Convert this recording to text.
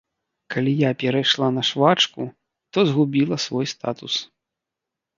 Калі я перайшла на швачку, то згубіла свой статус.